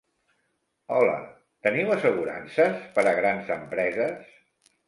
Hola, teniu assegurances per a grans empreses?